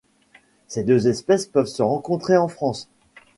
Ces deux espèces peuvent se rencontrer en France.